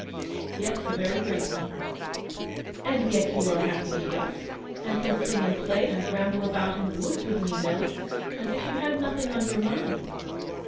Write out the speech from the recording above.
" Yes, a very great one." "And yet you are happy with us, and can sing and play, and ramble about in the wo with me, Nell, as if you had nothing on \ mind."